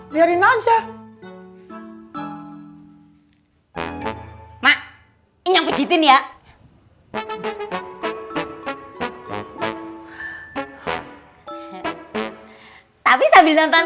lihatin aja maknya pijetin ya tapi sambil nonton